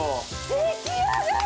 出来上がり！